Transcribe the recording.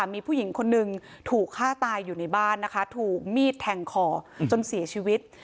มีผู้หญิงคนนึงถูกฆ่าตายอยู่ในบ้านนะคะถูกมีดแทงคอจนเสียชีวิต